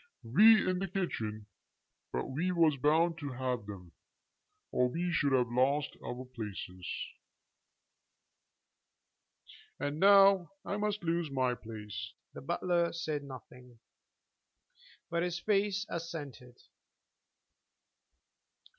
"We in the kitchen. But we was bound to have them, or we should have lost our places." "And now I must lose my place." The butler said nothing, but his face assented.